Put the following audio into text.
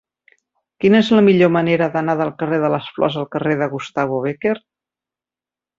Quina és la millor manera d'anar del carrer de les Flors al carrer de Gustavo Bécquer?